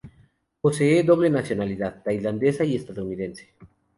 Posee doble nacionalidad, tailandesa y estadounidense.